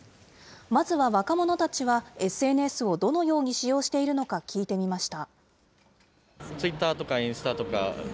まずは若者たちは、ＳＮＳをどのように使用しているのか聞いてみました。